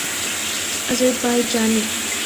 Azerbaijani